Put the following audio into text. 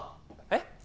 えっ？